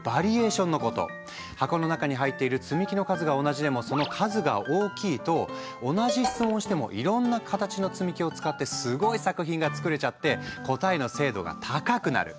箱の中に入っている積み木の数が同じでもその数が大きいと同じ質問をしてもいろんな形の積み木を使ってすごい作品が作れちゃって答えの精度が高くなる。